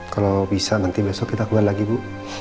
kalau bisa nanti besok kita keluar lagi bu